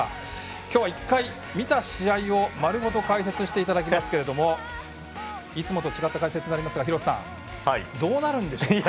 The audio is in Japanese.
今日は一回見た試合を丸ごと解説していただきますけどもいつもと違った解説になりますが廣瀬さんどうなるんでしょうか。